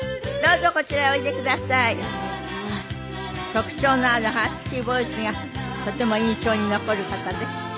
特徴のあるハスキーボイスがとても印象に残る方です。